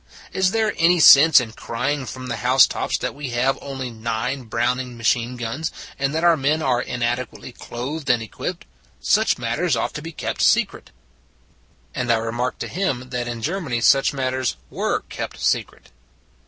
" Is there any sense in crying from the house tops that we have only nine Brown ing machine guns, and that our men are inadequately clothed and equipped? Such matters ought to be kept secret." And I remarked to him that in Germany such matters were kept secret.